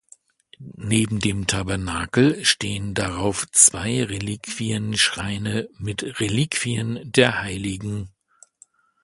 Neben dem Tabernakel stehen darauf zwei Reliquienschreine mit Reliquien der hl.